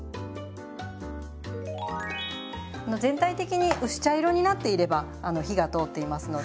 全体的に薄茶色になっていればあの火が通っていますので。